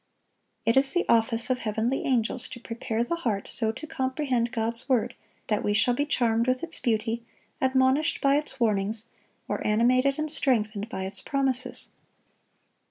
It is the office of heavenly angels to prepare the heart so to comprehend God's word that we shall be charmed with its beauty, admonished by its warnings, or animated and strengthened by its promises.